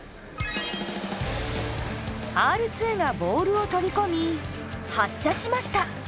Ｒ２がボールを取り込み発射しました。